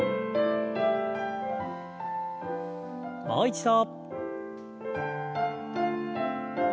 もう一度。